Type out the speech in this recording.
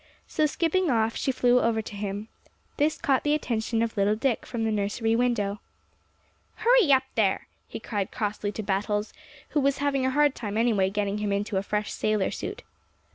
So skipping off, she flew over to him. This caught the attention of little Dick from the nursery window. "Hurry up there!" he cried crossly to Battles, who was having a hard time anyway getting him into a fresh sailor suit.